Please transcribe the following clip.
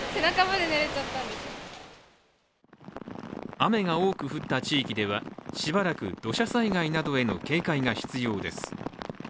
雨が多く降った地域ではしばらく土砂災害などへの警戒が必要です。